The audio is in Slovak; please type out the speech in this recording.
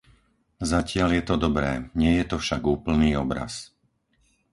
Zatiaľ je to dobré, nie je to však úplný obraz.